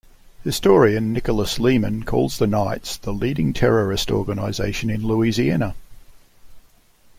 Historian Nicholas Lemann calls the Knights the leading terrorist organization in Louisiana.